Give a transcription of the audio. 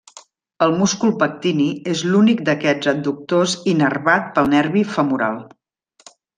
El múscul pectini és l'únic d'aquests adductors innervat pel nervi femoral.